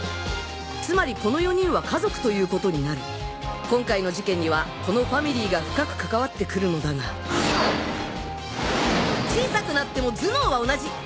つまりこの４人は家族ということになる今回の事件にはこのファミリーが深く関わって来るのだが小さくなっても頭脳は同じ。